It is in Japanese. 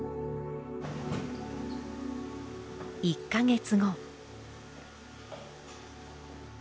１か月後。